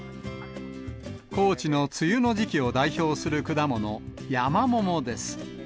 高知の梅雨の時期を代表する果物、ヤマモモです。